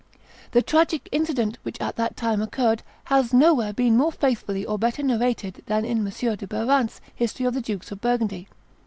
The tragic incident which at that time occurred has nowhere been more faithfully or better narrated than in M. de Barante's History of the Dukes of Burgundy.